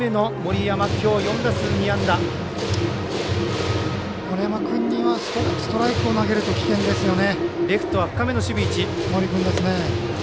森君にはストライクを投げると危険ですね。